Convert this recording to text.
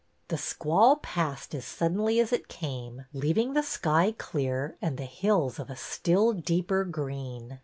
The squall passed as suddenly as it came, leav ing the sky clear and the hills of a still deeper green.